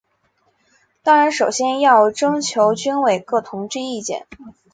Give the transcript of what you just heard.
当然首先要征求军委各同志意见。